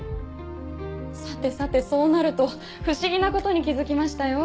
さてさてそうなると不思議なことに気付きましたよ。